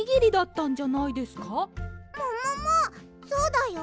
そうだよ。